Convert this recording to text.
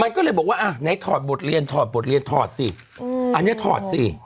มันก็เลยบอกว่าอ่ะไหนถอดบทเรียนถอดบทเรียนถอดสิอันนี้ถอดสิ